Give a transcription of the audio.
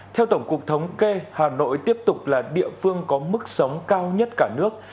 theo tổng cục thống kê hà nội tiếp tục là địa phương có mức sống cao nhất cả nước